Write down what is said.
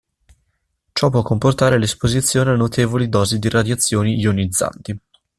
Ciò può comportare l'esposizione a notevoli dosi di radiazioni ionizzanti.